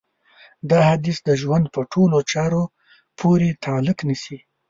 دا حديث د ژوند په ټولو چارو پورې تعلق نيسي.